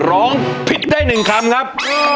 ร้องผิดได้๑คำครับ